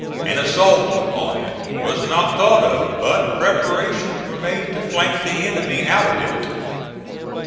An assault upon it was not thought of, but preparations were made to flank the enemy out of it.